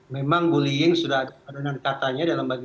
memang bullying sudah ada dengan katanya dalam bagian ini